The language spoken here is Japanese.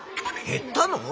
減ったの？